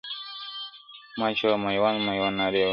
ما چي میوند، میوند نارې وهلې؛